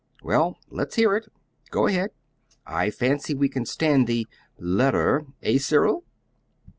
"Well, let's hear it. Go ahead. I fancy we can stand the LETTER; eh, Cyril?"